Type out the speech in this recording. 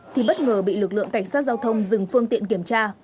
thì bất ngờ bị lực lượng cảnh sát giao thông dừng phương tiện kiểm tra